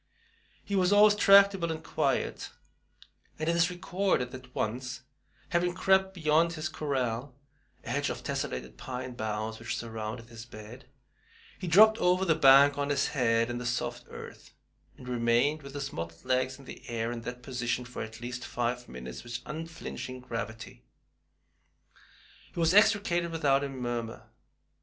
He was always tractable and quiet, and it is recorded that once, having crept beyond his "corral," a hedge of tessellated pine boughs, which surrounded his bed, he dropped over the bank on his head in the soft earth, and remained with his mottled legs in the air in that position for at least five minutes with unflinching gravity. He was extricated without a murmur.